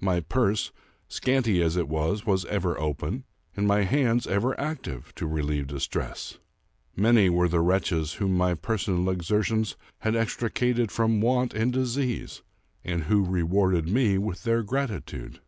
My purse, scanty as it was, was ever open, and my hands ever active, to relieve distress. Many were the wretches whom my personal exertions had extricated from want and disease, and who rewarded me with their gratitude.